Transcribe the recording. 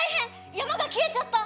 山が消えちゃった！